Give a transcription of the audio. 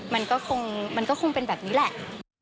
มันก็คงมันก็คงเป็นแบบนี้แหละ